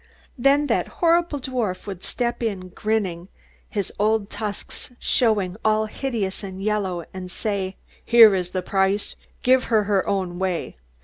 "Then that horrible dwarf would step up, grinning, his old tusks showing all hideous and yellow, and say, 'Here is the price! Give her her own way.